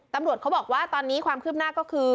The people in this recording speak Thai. ตำรวจเขาบอกว่าตอนนี้ความคืบหน้าก็คือ